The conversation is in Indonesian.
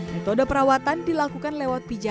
metode perawatan dilakukan lewat pijat